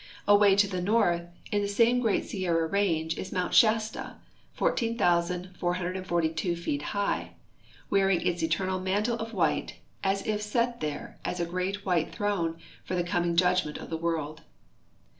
Away to the north in the same great Sierra range is mount Shasta, 14,442 feet high, wear ing its eternal mantle of white as if set there as a great white throne for the coming judgment of the world.